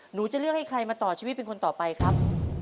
หนูจะเลือกให้ใครมาต่อชีวิตเป็นคนต่อไปครับ